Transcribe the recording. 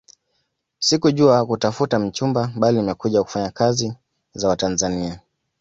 Sikuja kutafuta mchumba bali nimekuja kufanya kazi za Watanzania